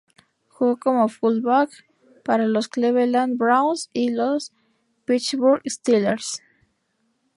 Jugó como fullback para los Cleveland Browns y los Pittsburgh Steelers.